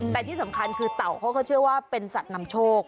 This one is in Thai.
แต่ที่สำคัญคือเต่าเขาก็เชื่อว่าเป็นสัตว์นำโชค